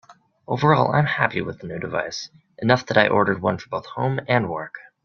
Overall I'm happy with the new device, enough that I ordered one for both home and work.